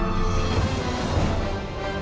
ไม่ว่าใครไม่ว่าใคร